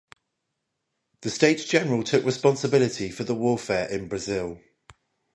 The States General took responsibility for the warfare in Brazil.